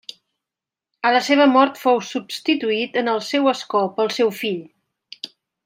A la seva mort fou substituït en el seu escó pel seu fill.